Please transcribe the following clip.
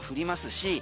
し